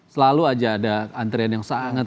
selalu aja ada antrian yang sangat